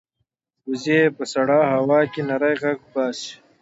وزې په سړه هوا کې نری غږ باسي